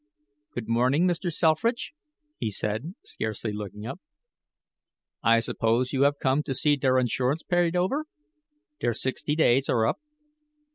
"Good morning, Mr. Selfridge," he said, scarcely looking up; "I suppose you have come to see der insurance paid over. Der sixty days are up."